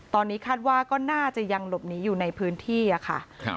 ตอนนี้คาดว่าก็น่าจะยังหลบหนีอยู่ในพื้นที่ค่ะ